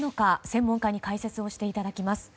専門家に解説していただきます。